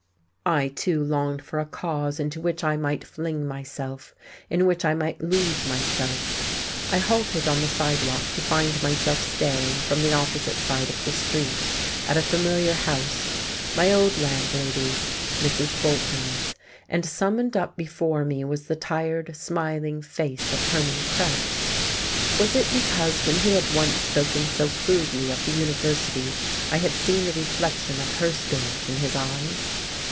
I, too, longed for a Cause into which I might fling myself, in which I might lose myself... I halted on the sidewalk to find myself staring from the opposite side of the street at a familiar house, my old landlady's, Mrs. Bolton's, and summoned up before me was the tired, smiling face of Hermann Krebs. Was it because when he had once spoken so crudely of the University I had seen the reflection of her spirit in his eyes?